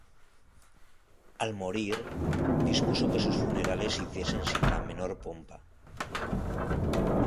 Al morir, dispuso que sus funerales se hiciesen sin la menor pompa.